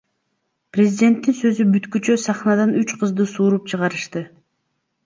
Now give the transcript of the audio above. Президенттин сөзү бүткүчө сахнадан үч кызды сууруп чыгарышты.